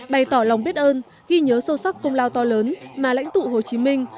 bày tỏ lòng biết ơn ghi nhớ sâu sắc công lao to lớn mà lãnh tụ hồ chí minh